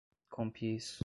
compiz